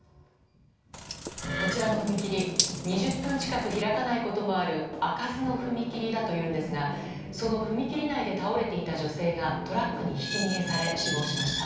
こちらの踏切、２０分近く開かないこともある開かずの踏切ということなんですがその踏切内で倒れていた女性がトラックにひき逃げされ死亡しました。